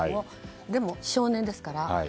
しかも少年ですから。